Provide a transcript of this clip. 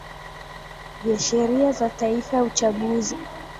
vya sheria za ya taifa ya uchaguzi